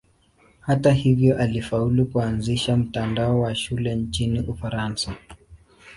Hata hivyo alifaulu kuanzisha mtandao wa shule nchini Ufaransa.